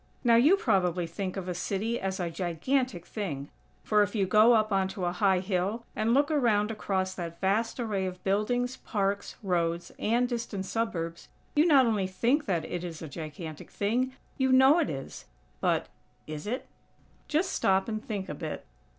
Now you probably think of a city as a gigantic thing; for, if you go up onto a high hill, and look around across that vast array of buildings, parks, roads and distant suburbs, you not only think that it is a gigantic thing, you know it is. But, is it? Just stop and think a bit.